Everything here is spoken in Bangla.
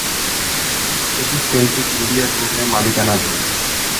এটি সেল্টিক মিডিয়া গ্রুপের মালিকানাধীন।